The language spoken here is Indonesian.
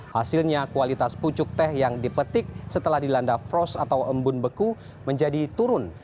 hasilnya kualitas pucuk teh yang dipetik setelah dilanda frost atau embun beku menjadi turun